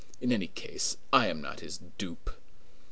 In any case, I am not his dupe."